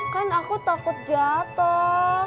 kan aku takut jatuh